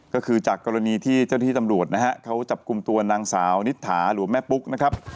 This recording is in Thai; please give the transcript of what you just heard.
ก็คือจากกรณีที่เจ้าหน้าที่ตำรวจนะฮะเขาจับกลุ่มตัวนางสาวนิษฐาหรือว่าแม่ปุ๊กนะครับ